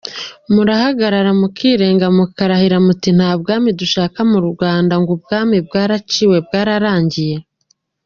Murahagarara mukirenga, mukarahira muti: “Nta bwami dushaka mu Rwanda”, ngo ubwami bwaraciwe, bwararangiye.